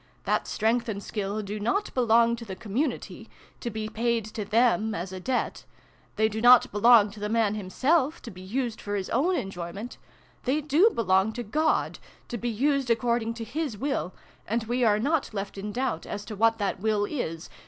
That strength and skill do not belong to the com munity, to be paid to them as a debt: they do not belong to the man himself, to be used for his own enjoyment : they do belong to God, to be used according to His will ; and we are not left in doubt as to what that will is.